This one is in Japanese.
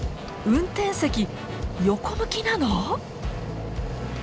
運転席横向きなの？